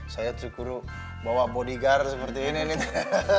saya terukuru bawa bodyguard seperti ini nih